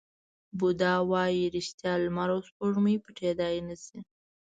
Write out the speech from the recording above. بودا وایي ریښتیا، لمر او سپوږمۍ پټېدای نه شي.